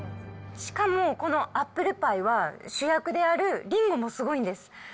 しかもこのアップルパイは、主役であるリンゴもすごいんです。